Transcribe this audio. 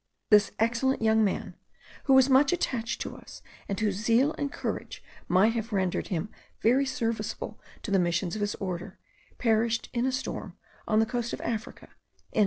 This excellent young man, who was much attached to us, and whose zeal and courage might have rendered him very serviceable to the missions of his order, perished in a storm on the coast of Africa, in 1801.